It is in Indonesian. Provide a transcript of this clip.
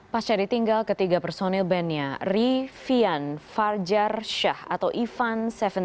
pas jadi tinggal ketiga personil band nya ri fian farjar shah atau ivan tujuh belas